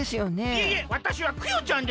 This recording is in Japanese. いえいえわたしはクヨちゃんです！